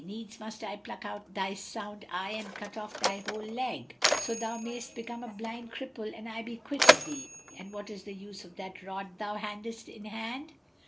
Needs must I pluck out thy sound eye and cut off thy whole leg, so thou mayst become a blind cripple and I be quit of thee. But what is the use of that rod thou hendest in hand?"